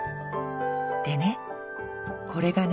でねこれがね